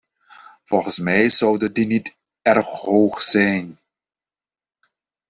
Volgens mij zouden die niet erg hoog zijn.